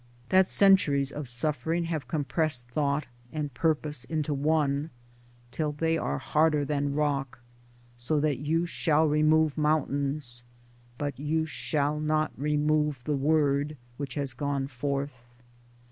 That centuries of suffering have compressed thought and purpose into one — till they are harder than rock ; so that you shall remove mountains, but you shall not remove the word which has gone forth?